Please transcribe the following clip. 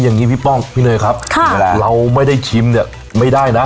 อย่างนี้พี่ป้องพี่เนยครับเราไม่ได้ชิมเนี่ยไม่ได้นะ